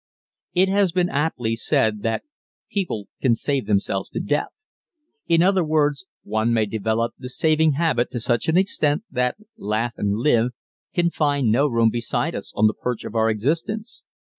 It has been aptly said that "People can save themselves to death." In other words, one may develop the saving habit to such an extent that "Laugh and Live" can find no room beside us on the perch of our existence.